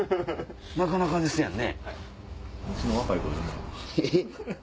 なかなかですやんね？